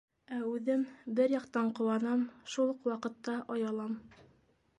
Ә үҙем бер яҡтан ҡыуанам, шул уҡ ваҡытта оялам.